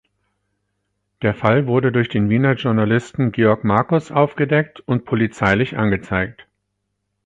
Der Fall wurde durch den Wiener Journalisten Georg Markus aufgedeckt und polizeilich angezeigt.